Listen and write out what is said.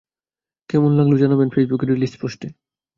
কেমন লাগলো জানাবেন ফেইসবুকে রিলিজ পোস্টে।